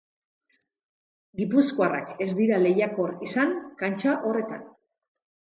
Gipuzkoarrak ez dira lehiakor izan kantxa horretan.